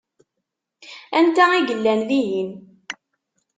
Anta i yellan dihin?